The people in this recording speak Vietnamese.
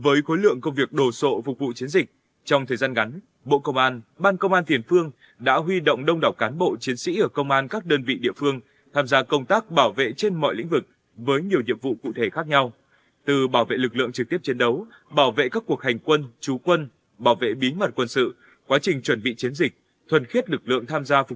với khối lượng công việc đồ sộ phục vụ chiến dịch trong thời gian ngắn bộ công an ban công an tiền phương đã huy động đông đảo cán bộ chiến sĩ ở công an các đơn vị địa phương tham gia công tác bảo vệ trên mọi lĩnh vực với nhiều nhiệm vụ cụ thể khác nhau